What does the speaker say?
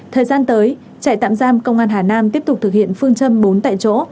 thời gian tới trại tạm giam công an hà nam tiếp tục thực hiện phương châm bốn tại chỗ